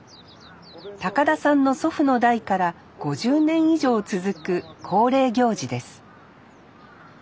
田さんの祖父の代から５０年以上続く恒例行事です